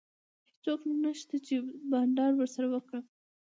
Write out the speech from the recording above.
هیڅوک نشته چي بانډار ورسره وکړم.